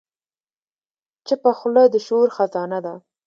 چپه خوله، د شعور خزانه ده.